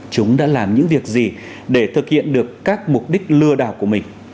chúng đã làm những việc gì để thực hiện được các mục đích lừa đảo của mình